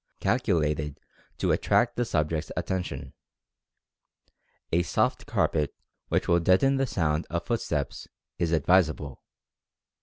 calculated to attract the subject's at tention. A soft carpet which will deaden the sound of footsteps is advisable.